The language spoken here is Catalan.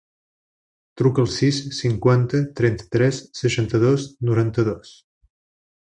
Truca al sis, cinquanta, trenta-tres, seixanta-dos, noranta-dos.